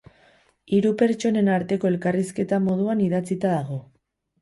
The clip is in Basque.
Hiru pertsonen arteko elkarrizketa moduan idatzita dago.